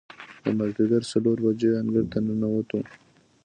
د مازدیګر څلور بجې انګړ ته ننوتو.